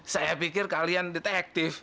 saya pikir kalian detektif